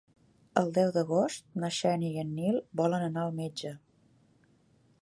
El deu d'agost na Xènia i en Nil volen anar al metge.